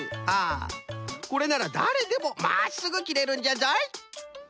これならだれでもまっすぐ切れるんじゃぞい。